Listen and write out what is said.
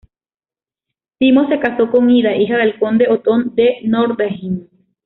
Timo se casó con Ida, hija del conde Otón de Nordheim.